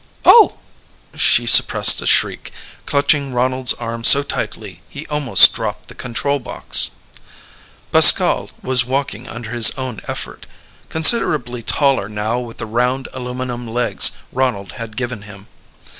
"Oh!" She suppressed a shriek, clutching Ronald's arm so tightly he almost dropped the control box. Pascal was walking under his own effort, considerably taller now with the round, aluminum legs Ronald had given him.